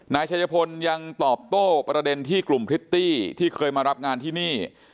นายชัยพลยังตอบโต้ประเด็นที่กลุ่มพริตตี้ที่เคยมารับงานที่นี่